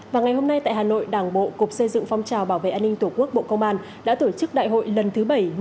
và ngày hôm nay tại hà nội đảng bộ cục xây dựng phong trào bảo vệ an ninh tổ quốc bộ công an đã tổ chức đại hội lần thứ bảy mươi ba